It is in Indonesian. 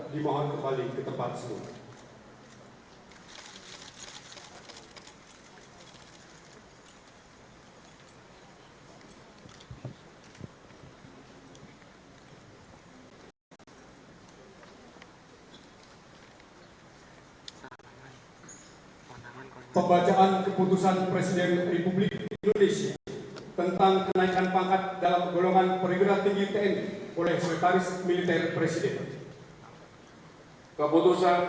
dibohon menuju meja penandatanganan berita acara